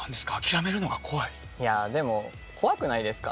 でも怖くないですか？